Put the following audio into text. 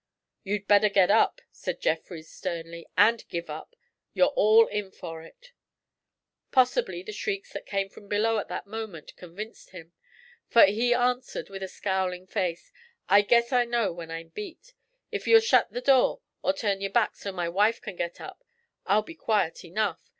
'You'd better get up,' said Jeffrys sternly, 'and give up. You're all in for it.' Possibly the shrieks that came from below at that moment convinced him, for he answered with a scowling face: 'I guess I know when I'm beat. If you'll shet the door, or turn yer backs so my wife can get up, I'll be quiet enough.